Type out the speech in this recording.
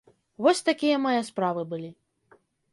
Вось такія мае справы былі.